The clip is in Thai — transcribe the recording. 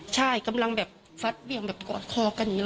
ใช่กำลังแบบฟัดเวี่ยงแบบกอดคอกันอย่างนี้